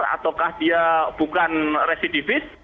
ataukah dia bukan residivis